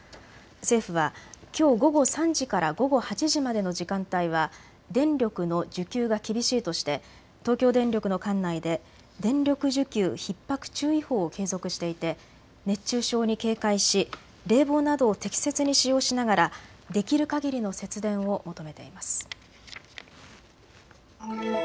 政府はきょう午後３時から午後８時までの時間帯は電力の需給が厳しいとして東京電力の管内で電力需給ひっ迫注意報を継続していて熱中症に警戒し冷房などを適切に使用しながらできるかぎりの節電を求めています。